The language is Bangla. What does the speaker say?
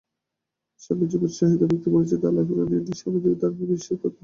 স্বামীজীর সহিত ব্যক্তিগত পরিচয় ও আলাপের ফলে ইনি স্বামীজীর দ্বারা বিশেষ প্রভাবিত হন।